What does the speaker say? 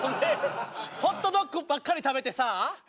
ホットドッグばっかり食べてさ。